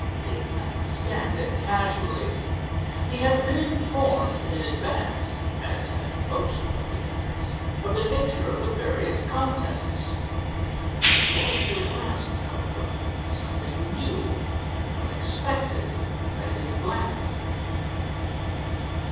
Dave scanned it casually. He had been informed in advance, as had most of the entrants, of the nature of the various contests. Towards the last, however, something new and unexpected met his glance.